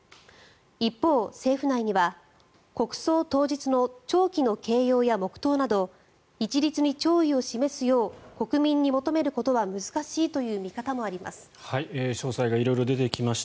一方、政府内には国葬当日の弔旗の掲揚や黙祷など一律に弔意を示すよう国民に求めることは難しいという見方もあります。